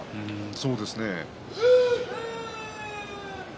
そうですね。